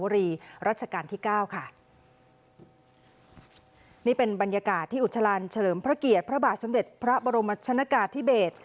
รัชกาลที่๙ค่ะนี่เป็นบรรยากาศที่อุจฉลาญเฉลิมพระเกียรติพระบาทสำเร็จพระบรมชนกาศที่เบส